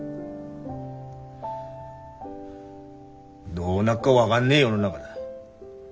どうなっか分がんねえ世の中だ。